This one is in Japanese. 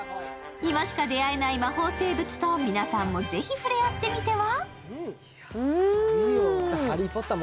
今しか出会えない魔法生物と、皆さんもぜひ、触れ合ってみては？